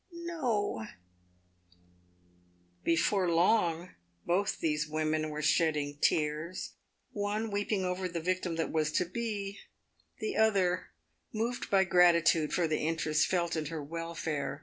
no !" Before long, both these women were shedding tears, one weeping over the victim that was to be, the other moved by gratitude for the interest felt in her welfare.